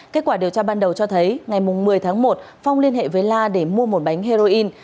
kết quả điều tra ban đầu cho thấy ngày một mươi tháng một phong liên hệ với la để mua một bánh heroin